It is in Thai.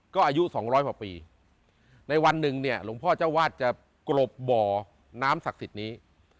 ก็อายุสองร้อยกว่าปีในวันหนึ่งเนี่ยหลวงพ่อเจ้าวาดจะกรบบ่อน้ำศักดิ์สิทธิ์นี้